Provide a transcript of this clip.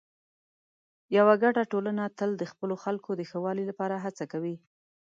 یوه ګډه ټولنه تل د خپلو خلکو د ښه والي لپاره هڅه کوي.